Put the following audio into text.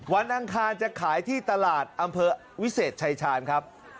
อังคารจะขายที่ตลาดอำเภอวิเศษชายชาญครับ